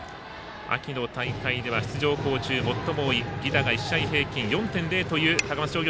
秋の大会では出場校中最も多い犠打が１試合平均４．０という高松商業。